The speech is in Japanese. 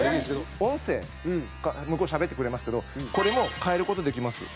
音声が向こうでしゃべってくれますけどこれも変える事できます。